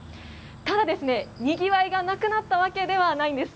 ただですね、賑わいがなくなったわけではないんです。